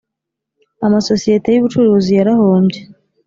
Amasosiyete y Ubucuruzi yarahombye